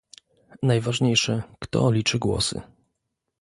Najważniejsze, kto liczy głosy